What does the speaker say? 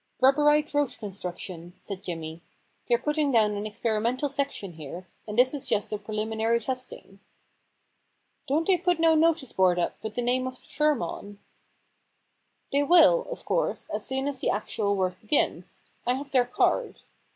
* Rubberite Road Construction,* said Jimmy. * They're putting down an experimental sec tion here, and this is just the preliminary testing.' * Don't they put no notice board up with the name of the firm on ?They will, of course, as soon as the actual work begins. I have their card.'